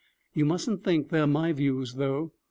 You mustn't think they're my views, though.'